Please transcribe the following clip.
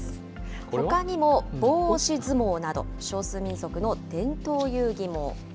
ほかにも棒押し相撲など、少数民族の伝統遊戯も。